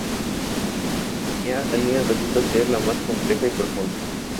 La campaña Alien resulta ser la más compleja y profunda.